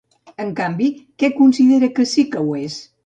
En canvi, què considera que sí que ho és?